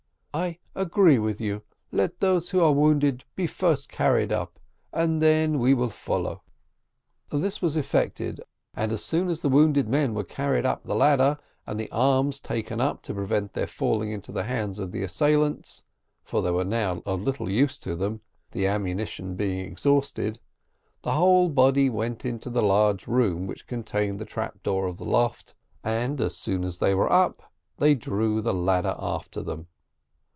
"I agree with you; let those who are wounded be first carried up, and then we will follow." This was effected, and as soon as the wounded men were carried up the ladder, and the arms taken up to prevent their falling into the hands of their assailants, for they were now of little use to them, the ammunition being exhausted, the whole body went into the large room which contained the trap door of the loft, and, as soon as they were up, they drew the ladder after them.